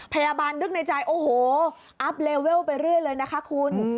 นึกในใจโอ้โหอัพเลเวลไปเรื่อยเลยนะคะคุณ